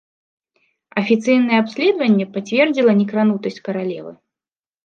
Афіцыйнае абследаванне пацвердзіла некранутасць каралевы.